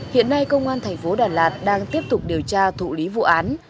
hiện nay công an thành phố đà lạt đang tiếp tục điều tra thụ lý vụ án